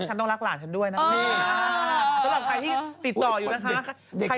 รักฉันต้องรักหลานฉันด้วยนะครับ